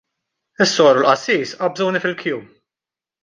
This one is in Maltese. Is-soru u l-qassis qabżuni fil-kju.